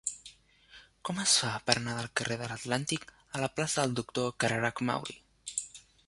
Com es fa per anar del carrer de l'Atlàntic a la plaça del Doctor Cararach Mauri?